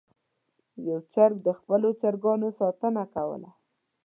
یو چرګ د خپلو چرګانو ساتنه کوله.